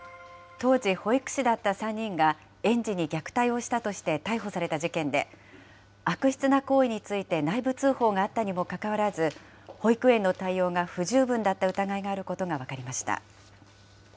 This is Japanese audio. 当時、保育士だった３人が、園児に虐待をしたとして、逮捕された事件で、悪質な行為について内部通報があったにもかかわらず、保育園の対応が不十分だった疑いがあることが分かりました。